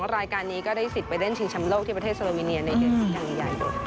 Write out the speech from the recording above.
รายการนี้ก็ได้สิทธิ์ไปเล่นชิงชำโลกที่ประเทศโซโลมิเนียในเดือนกันยายน